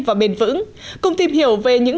và bền vững cùng tìm hiểu về những